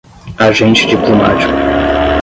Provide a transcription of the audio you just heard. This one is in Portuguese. agente diplomático